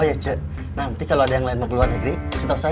oh iya cik nanti kalau ada yang lain mau keluar negeri kasih tau saya ya